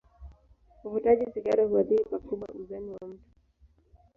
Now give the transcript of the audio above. Uvutaji sigara huathiri pakubwa uzani wa mtu.